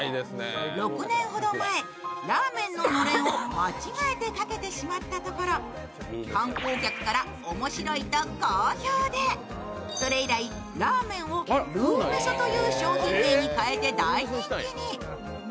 ６年ほど前、ラーメンののれんを間違えてかけてしまったところ観光客から面白いと好評で、それ以来、ラーメンをルーメソという商品名に変えて大人気に。